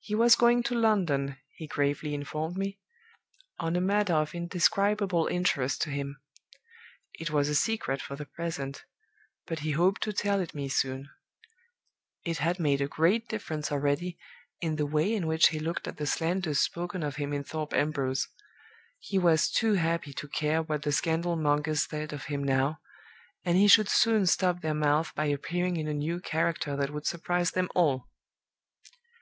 "He was going to London, he gravely informed me, on a matter of indescribable interest to him. It was a secret for the present, but he hoped to tell it me soon; it had made a great difference already in the way in which he looked at the slanders spoken of him in Thorpe Ambrose; he was too happy to care what the scandal mongers said of him now, and he should soon stop their mouths by appearing in a new character that would surprise them all.